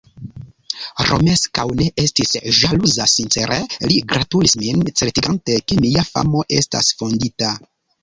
Romeskaŭ ne estis ĵaluza; sincere li gratulis min, certigante, ke mia famo estas fondita.